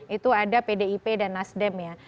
itu ada pdip dan nasionalistik